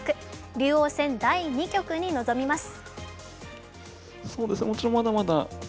竜王戦第２局に臨みます。